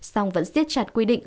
song vẫn siết chặt quy định